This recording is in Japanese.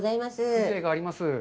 風情があります。